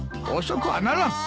遅くはならん。